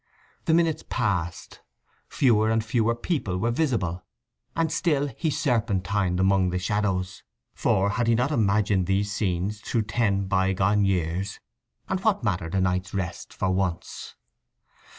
The minutes passed, fewer and fewer people were visible, and still he serpentined among the shadows, for had he not imagined these scenes through ten bygone years, and what mattered a night's rest for once?